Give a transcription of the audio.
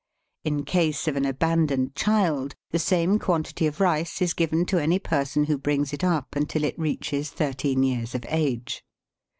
In case of an abandoned child, the same quantity of rice is given to any person who brings it up until it reaches thirteen years of age.